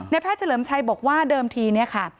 แพทย์เฉลิมชัยบอกว่าเดิมทีเนี่ยค่ะ